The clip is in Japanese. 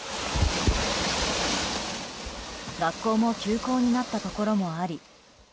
学校も休校になったところもあり